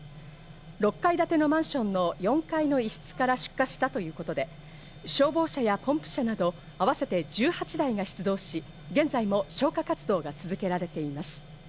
６階建てのマンションの４階の一室から出火したということで、消防車やポンプ車など合わせて１８台が出動し、現在も消火活動が続けられています。